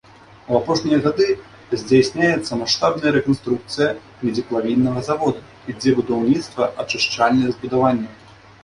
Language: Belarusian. У апошнія гады здзяйсняецца маштабная рэканструкцыя медзеплавільнага завода, ідзе будаўніцтва ачышчальных збудаванняў.